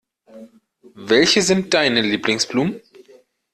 Welche sind deine Lieblingsblumen?